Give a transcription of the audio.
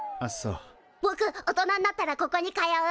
ぼく大人んなったらここに通う。